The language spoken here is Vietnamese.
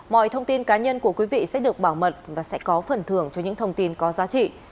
mọi thông tin cá nhân của quý vị sẽ được bảo mật và sẽ có phần thưởng cho những thông tin có giá trị